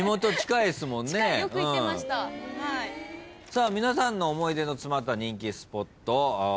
さあ皆さんの思い出の詰まった人気スポットあるでしょうか？